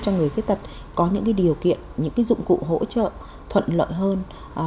cho người khuyết tật có những điều kiện những dụng cụ hỗ trợ thuận lợi hơn